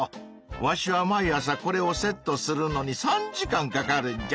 わしは毎朝これをセットするのに３時間かかるんじゃ。